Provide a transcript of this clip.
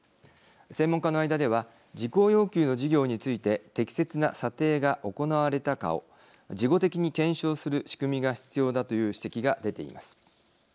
専門家の間では事項要求の事業について適切な査定が行われたかを事後的に検証する仕組みが必要だという指摘が出ています。